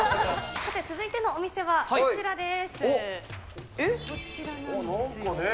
さて、続いてのお店はこちらです。